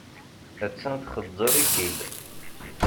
Attan txeẓẓer-ik-id.